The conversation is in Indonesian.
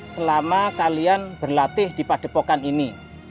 selama kalian berlatih di padepokan ini